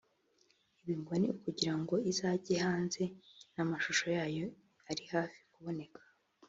ibi ngo ni ukugira ngo izajye hanze n’amashusho yayo ari hafi kuboneka